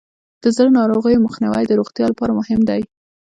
د زړه ناروغیو مخنیوی د روغتیا لپاره مهم دی.